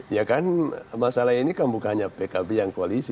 ya kan masalah ini kan bukannya pkb yang koalisi